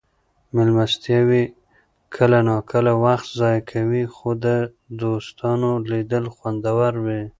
مېلمستیاوې کله ناکله وخت ضایع کوي خو د دوستانو لیدل خوندور وي.